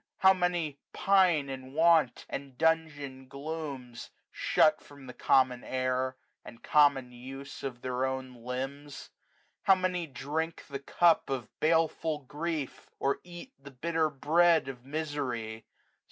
How many pine in want, and dungeon glooms; Shut from the common air, and common use Of their own limbs. How many drink the cup Of baleful grief, or eat the bitter bread 335 Of misery.